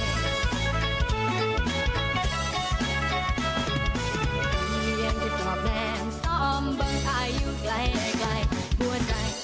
เรียนที่จอบแนมซ้อมเบิ้งทายอยู่ไกลหัวใจ